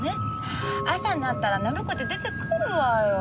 朝になったら寝ぼけて出てくるわよ。